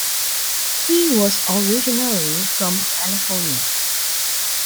He was originally from California.